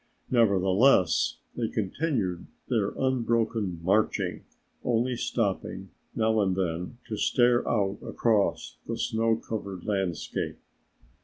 Nevertheless, they continued their unbroken marching, only stopping now and then to stare out across the snow covered landscape.